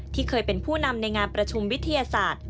ที่เคยเป็นผู้นำในงานประชุมวิทยาศาสตร์